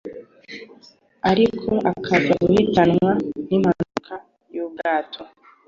ariko akaza guhitanwa n'impanuka y'ubwato